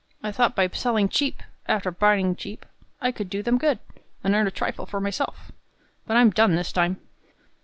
I thought by selling cheap, arter buying cheap, I could do them good, and earn a trifle for myself. But I'm done this time."